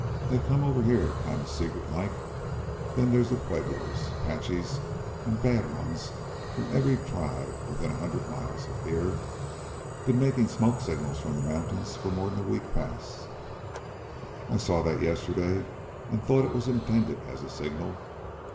They come over here kind of secret like. Then there's Pueblos, 'Paches, and bad ones from every tribe within a hundred miles of here. Been making smoke signals from the mountains for more'n a week past " "I saw that yesterday and thought it was intended as a signal."